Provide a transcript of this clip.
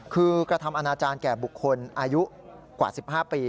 คือกระทำอนาจารย์แก่บุคคลอายุกว่า๑๕ปี